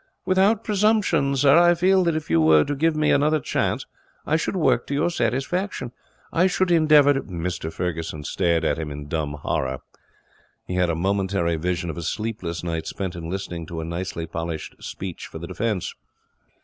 'Without presumption, sir, I feel that if you were to give me another chance I should work to your satisfaction. I should endeavour ' Mr Ferguson stared at him in dumb horror. He had a momentary vision of a sleepless night spent in listening to a nicely polished speech for the defence.